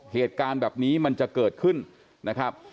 เหตุการณ์แบบนี้มันจะเกิดขึ้นนะครับ